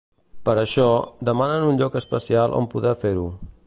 Per això, demanen un lloc especial on poder fer-ho.